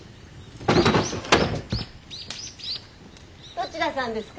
どちらさんですか？